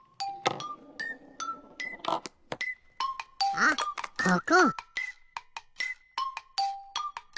あっここ！